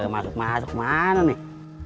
masuk masuk mana nih